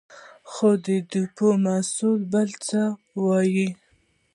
خو د ډېپو مسوول بل څه وايې.